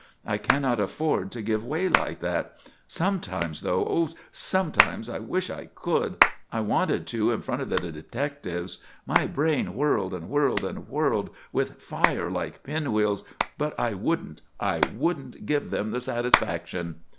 I cannot afford to give way like that. Sometimes, though! Oh, sometimes I wish I could! I wanted to in front of the detectives my brain whirled and whirled and whirled with fire like pinwheels but I wouldn't I wouldn't give them the satisfaction!"